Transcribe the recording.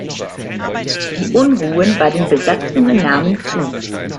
Die Unruhen bei den Besatzungen nahmen zu.